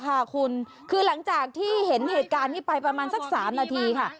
ค่ะคุณคือหลังจากที่เห็นเหตุการณ์นี้ไปประมาณสัก๓นาทีค่ะ